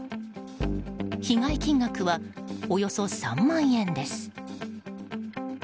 被害金額は、およそ３万円です。